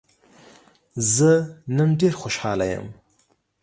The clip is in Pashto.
زه نن ډېر خوشحاله يم.